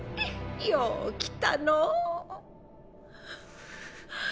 よう来たのう。